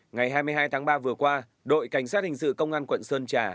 ngày hai mươi hai tháng ba vừa qua đội cảnh sát hình sự công an quận sơn trà